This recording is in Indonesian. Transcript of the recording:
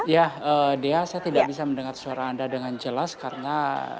ya dea saya tidak bisa mendengar suara anda dengan jelas karena